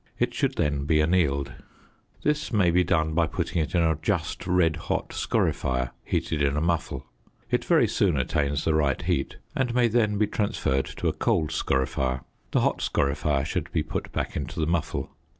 It should then be annealed. This may be done by putting it in a just red hot scorifier heated in a muffle: it very soon attains the right heat and may then be transferred to a cold scorifier; the hot scorifier should be put back into the muffle.